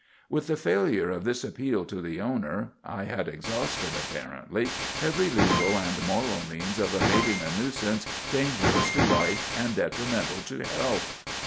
With the failure of this appeal to the owner, I had exhausted, apparently, every legal and moral means of abating a nuisance dangerous to life and detrimental to health.